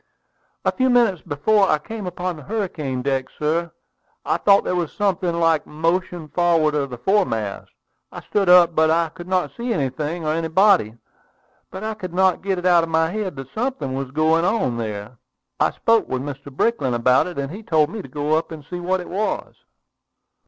"A few minutes before I came upon the hurricane deck, sir, I thought there was something like motion forward of the foremast. I stood up, but I could not see anything or anybody. But I could not get it out of my head that something was going on there. I spoke to Mr. Brickland about it, and he told me to go up and see what it was."